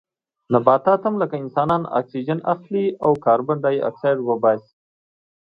نباتات هم لکه انسانان اکسیجن اخلي او کاربن ډای اکسایډ وباسي